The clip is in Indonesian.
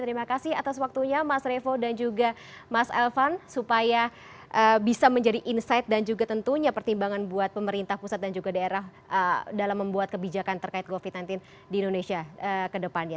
terima kasih atas waktunya mas revo dan juga mas elvan supaya bisa menjadi insight dan juga tentunya pertimbangan buat pemerintah pusat dan juga daerah dalam membuat kebijakan terkait covid sembilan belas di indonesia ke depannya